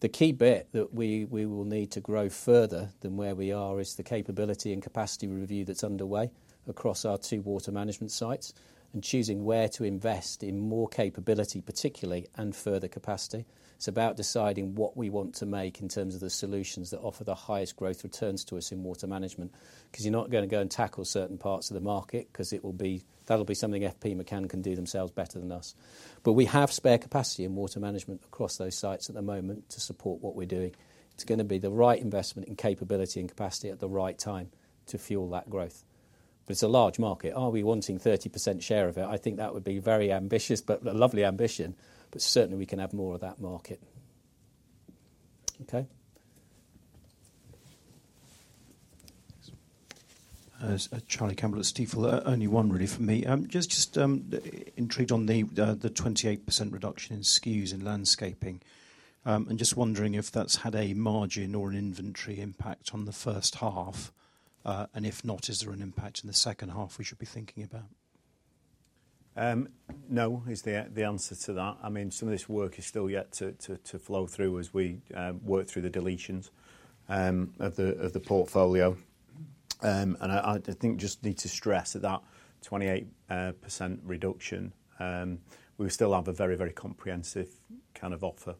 The key bit that we will need to grow further than where we are is the capability and capacity review that's underway across our two Water Management sites and choosing where to invest in more capability, particularly, and further capacity. It's about deciding what we want to make in terms of the solutions that offer the highest growth returns to us in Water Management because you're not going to go and tackle certain parts of the market because it will be, that'll be something FPMchan can do themselves better than us. We have spare capacity in Water Management across those sites at the moment to support what we're doing. It's going to be the right investment in capability and capacity at the right time to fuel that growth. It's a large market. Are we wanting 30% share of it? I think that would be very ambitious, but a lovely ambition, but certainly we can have more of that market. Okay. Charlie Campbell at Stifel, only one really for me. Just intrigued on the 28% reduction in SKUs in Landscaping Products and just wondering if that's had a margin or an inventory impact on the first half, and if not, is there an impact in the second half we should be thinking about? No, is the answer to that. Some of this work is still yet to flow through as we work through the deletions of the portfolio. I think just need to stress that 28% reduction, we still have a very, very comprehensive kind of offer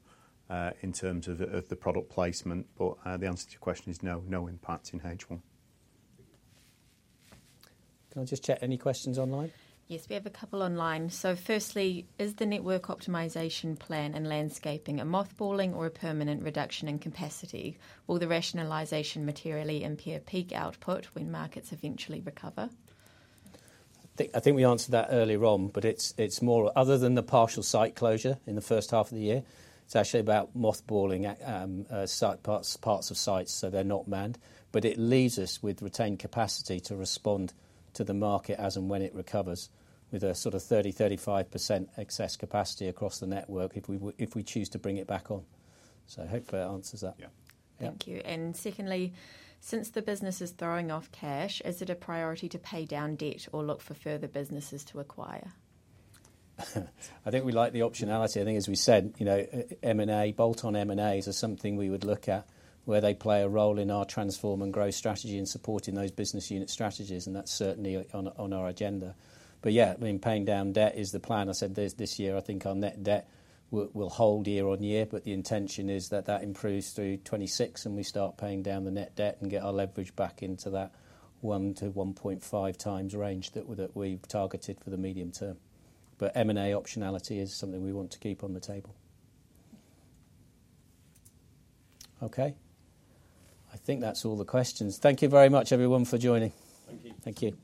in terms of the product placement, but the answer to your question is no, no impact in H1. Can I just check any questions online? Yes, we have a couple online. Firstly, is the network optimization plan in Landscaping Products a mothballing or a permanent reduction in capacity, or does the rationalization materially impede peak output when markets eventually recover? I think we answered that earlier on, but it's more, other than the partial site closure in the first half of the year, it's actually about mothballing parts of sites, so they're not manned. It leaves us with retained capacity to respond to the market as and when it recovers, with a sort of 30-35% excess capacity across the network if we choose to bring it back on. Hopefully that answers that. Thank you. Secondly, since the business is throwing off cash, is it a priority to pay down debt or look for further businesses to acquire? I think we like the optionality. I think, as we said, you know, M&A, bolt-on M&As are something we would look at where they play a role in our transform and growth strategy and supporting those business unit strategies, and that's certainly on our agenda. Yeah, I mean, paying down debt is the plan. I said this year, I think our net debt will hold year on year, but the intention is that that improves through 2026 and we start paying down the net debt and get our leverage back into that 1-1.5 times range that we've targeted for the medium term. M&A optionality is something we want to keep on the table. Okay. I think that's all the questions. Thank you very much, everyone, for joining. Thank you. Thank you.